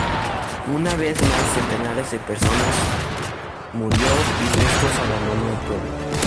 Una vez más centenares de personas murió y resto abandono el pueblo.